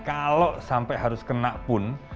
kalau sampai harus kena pun